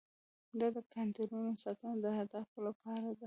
دا د کادرونو ساتنه د اهدافو لپاره ده.